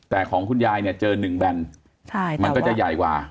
แต่ของคุณยายเนี่ยเจอ๑แบนมันก็จะใหญ่กว่า